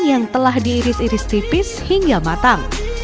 yang telah diiris iris tipis hingga matang